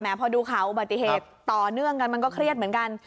พอดูข่าวอุบัติเหตุต่อเนื่องกันมันก็เครียดเหมือนกัน